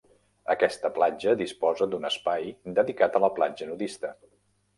Aquesta platja disposa d'un espai dedicat a platja nudista.